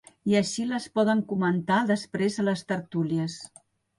I així les poden comentar després a les tertúlies.